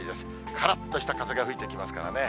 からっとした風が吹いてきますからね。